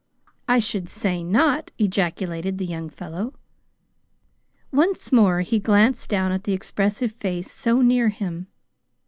"I should say not!" ejaculated the young fellow. Once more he glanced down at the expressive face so near him.